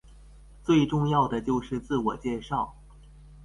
最重要的就是自我介紹